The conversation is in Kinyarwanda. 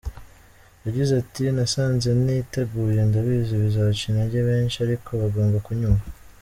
Yagize ati “Nasanze ntiteguye ndabizi bizaca intege benshi ariko bagomba kunyumva.